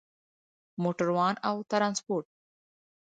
موټروان او ترانسپورت